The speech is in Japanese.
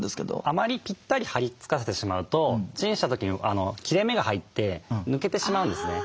あまりピッタリはり付かせてしまうとチンした時に切れ目が入って抜けてしまうんですね。